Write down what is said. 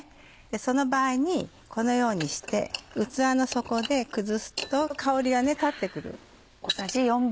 その場合にこのようにして器の底で崩すと香りが立ってくる。